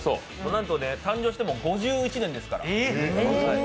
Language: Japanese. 誕生してもう５１年ですから。